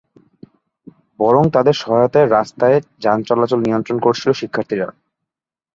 বরং তাদের সহায়তায় রাস্তায় যান চলাচল নিয়ন্ত্রণ করছিল শিক্ষার্থীরা।